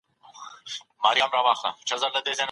که ناوړه عرفونه ختم سي ټولنه به پرمختګ وکړي.